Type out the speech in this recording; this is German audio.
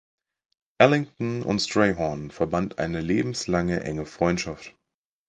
Ellington und Strayhorn verband eine lebenslange enge Freundschaft.